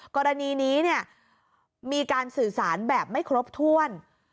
กรณีนี้มีการสื่อสารแบบไม่ครบถ้วน